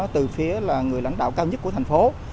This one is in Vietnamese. từ phía là người lãnh đạo cao nhất của thành phố